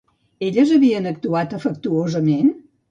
Elles havien actuat afectuosament?